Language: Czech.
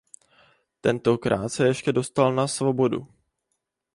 Tentokrát se ještě dostal na svobodu.